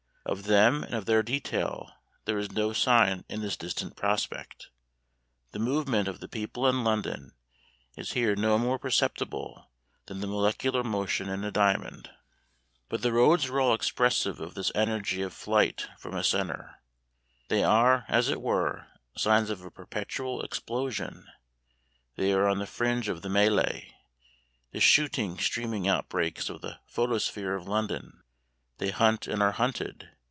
Of them and of their detail there is no sign in this distant prospect. The movement of the people in London is here no more perceptible than the molecular motion in a diamond. [Illustration: A Coffee Stall.] But the roads are all expressive of this energy of flight from a centre. They are, as it were, signs of a perpetual explosion; they are the fringe of the mêlée, the shooting, streaming outbreaks of the photosphere of London. They hunt and are hunted.